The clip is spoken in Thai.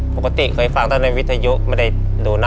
ปกติเคยฟังแต่ในวิทยุ